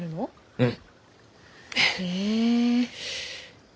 うん。